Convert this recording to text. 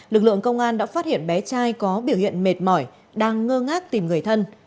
lực lượng công an đã phát hiện bé trai có biểu hiện mệt mỏi đang ngơ ngác tìm người thân